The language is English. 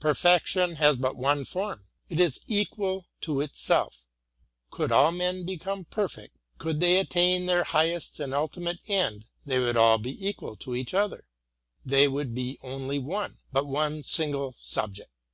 Perfection has but one form; it is equal to itself: could all men become perfect, could they attain their highest and ultimate end, they would all be equal to each other, — they would be only one — but one single subject.